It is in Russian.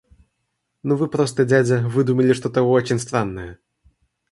Ну вы просто дядя выдумали что-то очень странное!